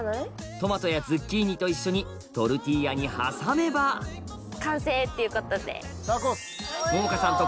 トマトやズッキーニと一緒にトルティーヤに挟めば完成っていうことで。